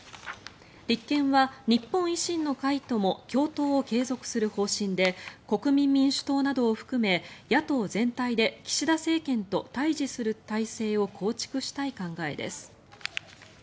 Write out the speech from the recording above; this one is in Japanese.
立憲は日本維新の会とも共闘を継続する方針で国民民主党などを含め野党全体で岸田政権と対峙する体制を構築したい考えです。